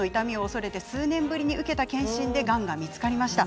数年ぶりに受けた検診でがんが見つかりました